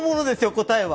答えは。